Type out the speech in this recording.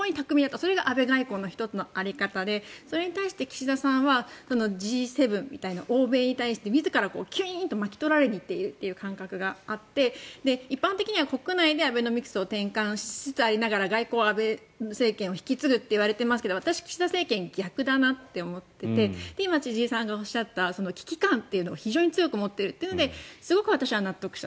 それが安倍外交の１つの在り方でそれに対して岸田さんはＧ７みたいな欧米に対して自ら巻き取られに行ってるって感覚があって一般的には国内でアベノミクスを転換しつつ外交は安倍政権を引き継ぐといわれていますが私、岸田政権は逆だなと思っていて今、千々岩さんがおっしゃった危機感というのを非常に強く持ってるってことですごく私は納得した。